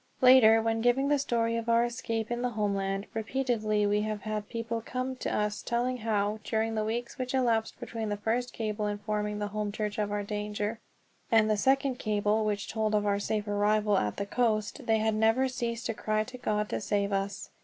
Later when giving the story of our escape in the homeland, repeatedly we have had people come to us telling how, during the weeks which elapsed between the first cable informing the home church of our danger, and the second cable, which told of our safe arrival at the coast, they had never ceased to cry to God to save us.